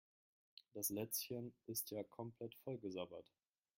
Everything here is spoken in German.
Das Lätzchen ist ja komplett vollgesabbert.